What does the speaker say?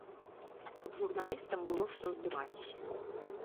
Каб журналістам было што здымаць.